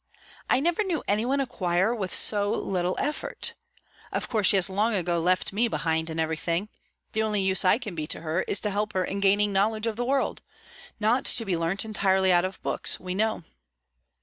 I never knew any one acquire with so little effort. Of course, she has long ago left me behind in everything. The only use I can be to her is to help her in gaining knowledge of the world not to be learnt entirely out of books, we know."